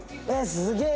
すげえ！